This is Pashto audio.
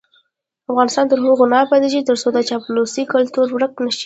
افغانستان تر هغو نه ابادیږي، ترڅو د چاپلوسۍ کلتور ورک نشي.